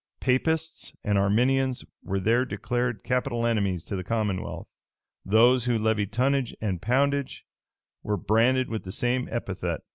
Papists and Arminians were there declared capital enemies to the commonwealth. Those who levied tonnage and poundage were branded with the same epithet.